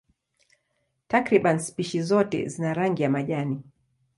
Takriban spishi zote zina rangi ya majani.